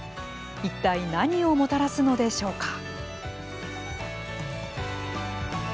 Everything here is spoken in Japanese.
一体何をもたらすのでしょうか。